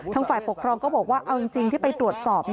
ฝ่ายปกครองก็บอกว่าเอาจริงที่ไปตรวจสอบ